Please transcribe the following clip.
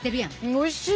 おいしい。